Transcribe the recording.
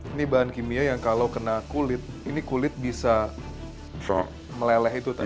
ini bahan kimia yang kalau kena kulit ini kulit bisa meleleh itu tadi